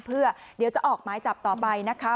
เพื่อเดี๋ยวจะออกหมายจับต่อไปนะคะ